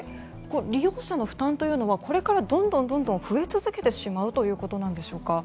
利用者の負担というのはこれからどんどん増え続けてしまうということなんでしょうか。